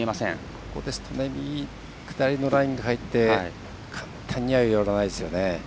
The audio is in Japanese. ここですと右下りのラインで入って簡単には寄らないですよね。